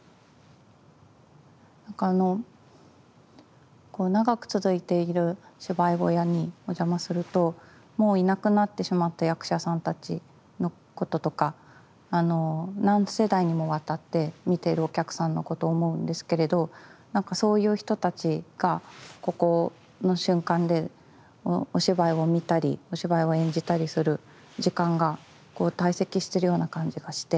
なんかあの長く続いている芝居小屋にお邪魔するともういなくなってしまった役者さんたちのこととか何世代にもわたって見てるお客さんのことを思うんですけれどなんかそういう人たちがここの瞬間でお芝居を見たりお芝居を演じたりする時間がこう堆積してるような感じがして。